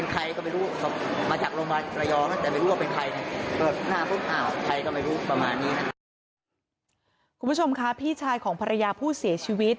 คุณผู้ชมค่ะพี่ชายของภรรยาผู้เสียชีวิต